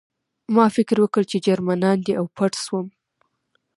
ما فکر وکړ چې جرمنان دي او پټ شوم